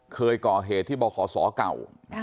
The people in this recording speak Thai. เคยก่อเหตุที่บ่คอศอเก่าอ่า